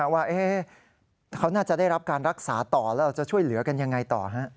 ว่าเขาน่าจะได้รับการรักษาต่อแล้วเราจะช่วยเหลือกันยังไงต่อ